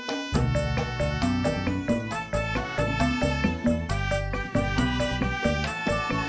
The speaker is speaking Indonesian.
gak ada sih